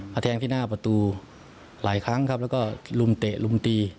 แทงที่หน้าประตูหลายครั้งครับแล้วก็ลุมเตะลุมตี